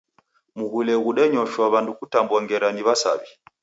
Mghule ghodenyoshwa w'andu kutambua ngera ni w'asaw'i.